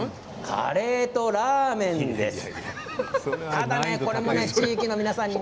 カレーとラーメンです。